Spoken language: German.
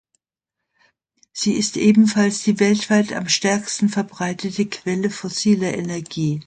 Sie ist ebenfalls die weltweit am stärksten verbreitete Quelle fossiler Energie.